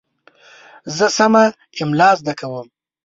زه سمه املا زده کوم.